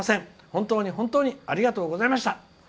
本当に本当にありがとうございました」。